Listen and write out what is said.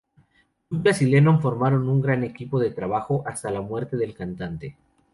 Douglas y Lennon formaron un gran grupo de trabajo hasta la muerte del cantante.